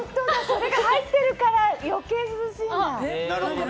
これが入っているから余計に涼しいんだ。